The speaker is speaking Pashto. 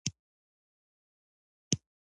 د کروندګرو لپاره د مالي ملاتړ پروګرامونه حیاتي دي.